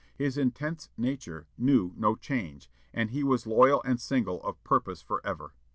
His intense nature knew no change, and he was loyal and single of purpose forever.